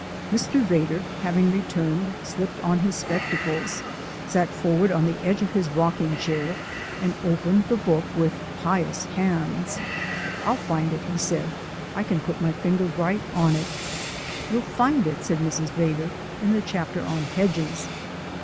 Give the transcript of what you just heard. Mr. Vedder, having returned, slipped on his spectacles, sat forward on the edge of his rocking chair, and opened the book with pious hands. "I'll find it," he said. "I can put my finger right on it." "You'll find it," said Mrs. Vedder, "in the chapter on 'Hedges.'"